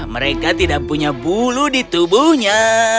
mereka tidak punya bulu di tubuhnya